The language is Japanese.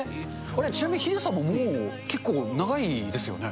あれ、ちなみにヒデさんももう結構、長いですよね。